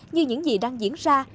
như những gì đang diễn ra